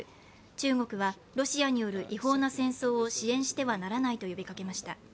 中国はロシアによる違法な戦争を支援してはならないと呼びかけました。